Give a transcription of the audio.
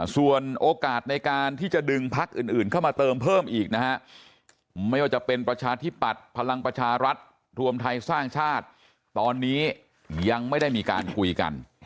ส่วนโอกาสในการที่จะดึงพักอื่นเข้ามาเติมเพิ่มอีกนะฮะไม่ว่าจะเป็นประชาธิปัตย์พลังประชารัฐรวมไทยสร้างชาติตอนนี้ยังไม่ได้มีการคุยกัน